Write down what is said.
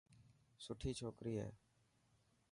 سٺوي ڇوڪري هي.